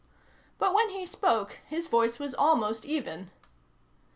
But when he spoke his voice was almost even.